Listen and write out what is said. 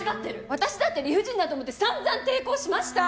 私だって理不尽だと思って散々抵抗しました！